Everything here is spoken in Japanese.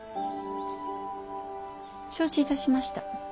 承知いたしました。